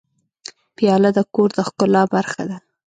پیاله د کور د ښکلا برخه ده.